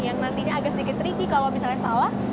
yang nantinya agak sedikit tricky kalau misalnya salah